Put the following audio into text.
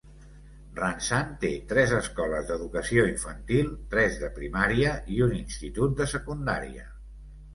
Ranzan té tres escoles d'educació infantil, tres de primària i un institut de secundària.